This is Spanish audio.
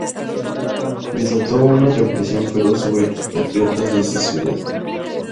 Desató una represión feroz sobre los patriotas de esa ciudad.